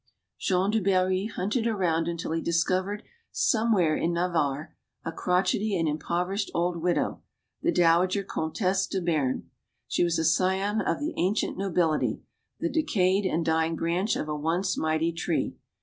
Jean du Barry hunted around until he discovered somewhere in Navarre a crochety and impoverished old widow, the dowager Comtesse de Beam. She was a scion of the ancient nobility, the decayed and dying branch of a once mighty tree.